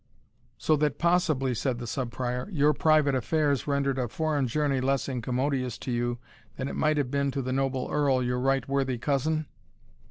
"So that possibly," said the Sub Prior, "your private affairs rendered a foreign journey less incommodious to you than it might have been to the noble earl, your right worthy cousin?"